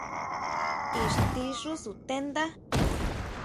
¿Ixtí xú sutendá?